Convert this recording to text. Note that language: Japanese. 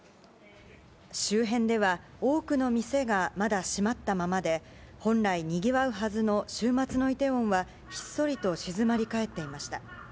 周辺では多くの店がまだ閉まったままで、本来、にぎわうはずの週末のイテウォンはひっそりと静まり返っていました。